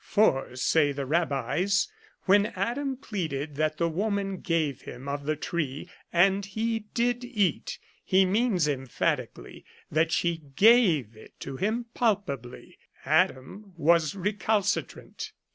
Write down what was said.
For, say the Rabbis, when Adam pleaded that the woman gave him of the tree, and he did eat, he means emphatically that she gave it him palpably. Adam was recalci trant.